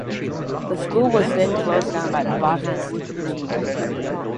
The school was then closed down by the Baathist regime.